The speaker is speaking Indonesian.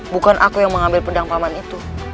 bukan aku yang mengambil pedang paman itu